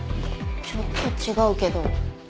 ちょっと違うけど。